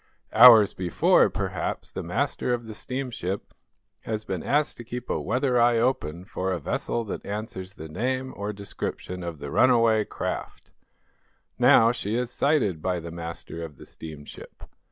Hours before, perhaps, the master of the steamship has been asked to keep a weather eye open for a vessel that answers the name or description of the runaway craft. Now, she is sighted by the master of the steamship.